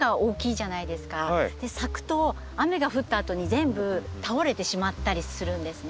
咲くと雨が降ったあとに全部倒れてしまったりするんですね。